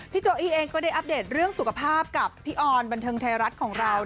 โจอี้เองก็ได้อัปเดตเรื่องสุขภาพกับพี่ออนบันเทิงไทยรัฐของเรา